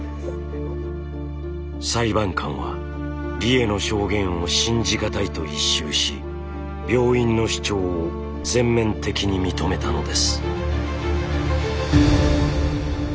裁判官は理栄の証言を信じ難いと一蹴し病院の主張を全面的に認めたのです。